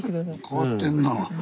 変わってんな。